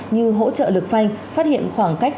như hỗ trợ lực phanh phát hiện khoảng cách